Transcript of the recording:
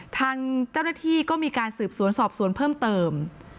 ทางเจ้าหน้าที่ก็มีการสืบสวนสอบสวนเพิ่มเติม